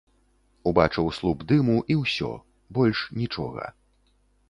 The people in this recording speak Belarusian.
Убачыў слуп дыму і ўсё, больш нічога.